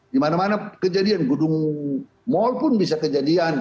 di mana mana kejadian gedung mal pun bisa kejadian